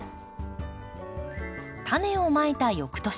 タネをまいた翌年。